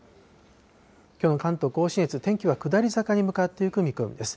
きょうの関東甲信越、天気は下り坂に向かってゆく見込みです。